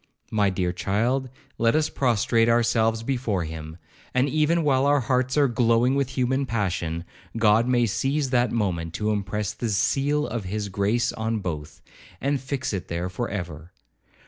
My dear child, let us prostrate ourselves before him, and even while our hearts are glowing with human passion, God may seize that moment to impress the seal of his grace on both, and fix it there for ever.